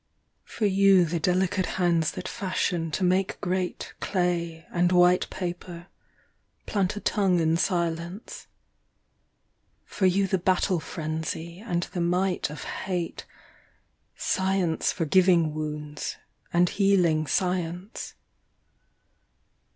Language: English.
For you the delicate hands that fashion to make great Clay, and white paper, plant a tongue in silence ; For you the battle frenzy, and the might of hate, Science for giving wounds, and healing science.